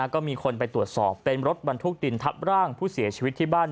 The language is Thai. ก็มีคนไปตรวจสอบเป็นรถบรรทุกดินทับร่างผู้เสียชีวิตที่บ้าน